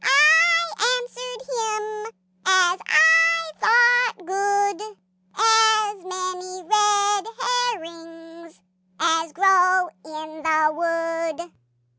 I answered him as I thought good `As many red herrings as grow in the wood."'